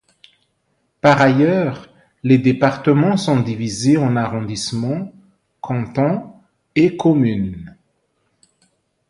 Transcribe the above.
Par ailleurs, les départements sont divisés en arrondissements, cantons et communes.